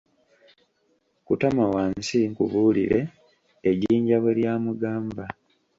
Kutama wansi, nkubulire, ejinja bwe ly'amugamba.